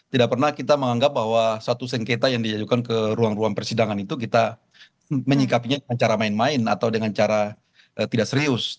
tidak pernah kita menganggap bahwa satu sengketa yang diajukan ke ruang ruang persidangan itu kita menyikapinya dengan cara main main atau dengan cara tidak serius